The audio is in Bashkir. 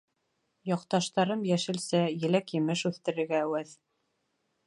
Яҡташтарым йәшелсә, еләк-емеш үҫтерергә әүәҫ.